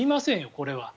これは。